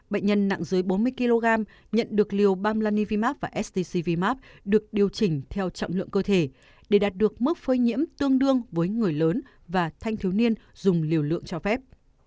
bệnh nhân nặng dưới bốn mươi kg nhận được liều ba mươilaniviap và stc vimap được điều chỉnh theo trọng lượng cơ thể để đạt được mức phơi nhiễm tương đương với người lớn và thanh thiếu niên dùng liều lượng cho phép